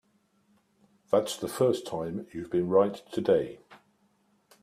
That's the first time you've been right today.